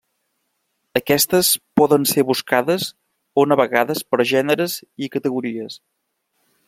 Aquestes poden ser buscades, o navegades per gèneres i categories.